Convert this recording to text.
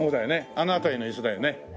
あの辺りの椅子だよね。